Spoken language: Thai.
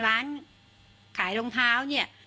ร้านขายรองเท้า